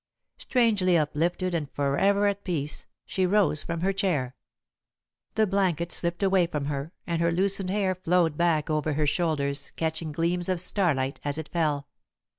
Strangely uplifted and forever at peace, she rose from her chair. The blanket slipped away from her, and her loosened hair flowed back over her shoulders, catching gleams of starlight as it fell.